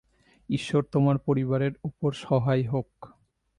ঈশ্বর তোমার পরিবারের উপর সহায় হোক।